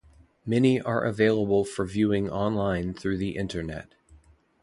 Many are available for viewing on-line through the Internet.